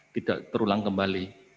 tidak terulang kembali